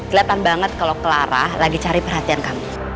kelihatan banget kalau clara lagi cari perhatian kami